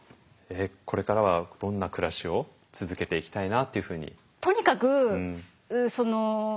これからはどんな暮らしを続けていきたいなっていうふうに？